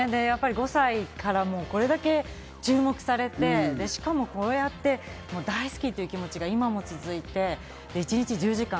５歳からこれだけ注目されて、しかもこうやって大好きっていう気持ちが今も続いて、一日１０時間。